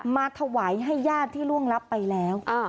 มาถวายให้ญาติที่ล่วงรับไปแล้ว